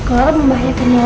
clara membahayakan orang siapa